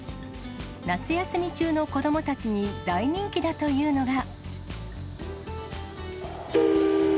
夏休み中の子どもたちに大人気だというのが。